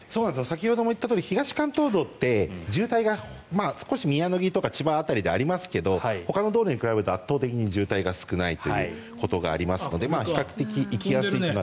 先ほども言ったように東関東道って渋滞が少し宮野木とか千葉の辺りでありますがほかの道路に比べると圧倒的に渋滞が少ないところがありますので比較的行きやすい。